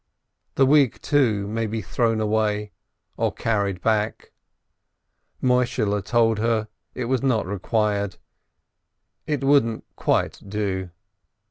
The wig, too, may be thrown away or carried back — Moi shehle told her it was not required, it wouldn't quite do.